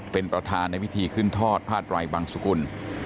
เป็นประทานในวิธีขึ้นทอดพระดรัยบังสกุล